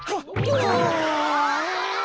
うわ。